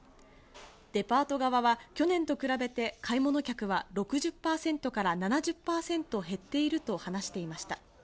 デパート側は、去年と比べて買い物客は６０％から７０％減っていると話していました。